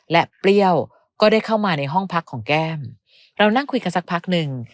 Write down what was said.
และเปรี้ยวก็ได้เข้ามาในห้องพักของแก้มเรานั่งคุยกันสักพักหนึ่ง